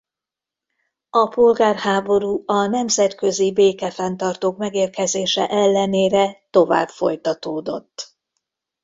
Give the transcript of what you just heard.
A polgárháború a nemzetközi békefenntartók megérkezése ellenére tovább folytatódott.